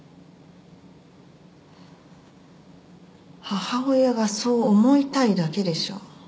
母親がそう思いたいだけでしょ。